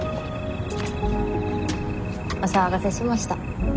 お騒がせしました。